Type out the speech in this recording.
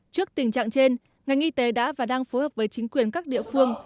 trước tình trạng trên ngành y tế đã và đang phối hợp với chính quyền các địa phương